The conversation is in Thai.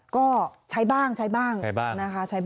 ก็ใช้บ้างใช้บ้างนะคะ